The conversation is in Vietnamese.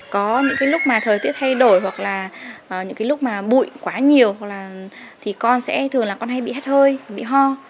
có những cái lúc mà thời tiết thay đổi hoặc là những cái lúc mà bụi quá nhiều hoặc là thì con sẽ thường là con hay bị hát hơi bị ho